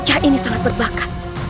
bocah ini sangat berbakat